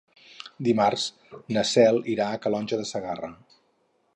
Dimarts na Cel irà a Calonge de Segarra.